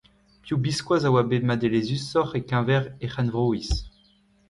Piv biskoazh a oa bet madelezhusoc’h en keñver e c’henvroiz ?